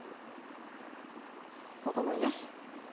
ここもよし。